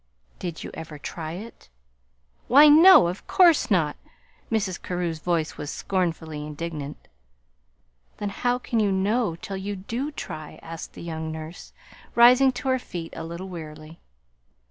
"Did you ever try it?" "Why, no, of course not!" Mrs. Carew's voice was scornfully indignant. "Then how can you know till you do try?" asked the young nurse, rising to her feet a little wearily.